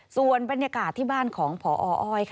ส่วนบรรยากาศที่บ้านของพออ้อย